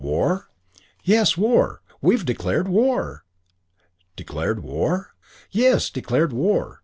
"War?" "Yes, war. We've declared war!" "Declared war?" "Yes, declared war.